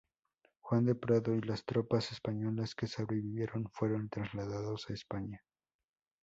Juan de Prado y las tropas españolas que sobrevivieron fueron trasladados a España.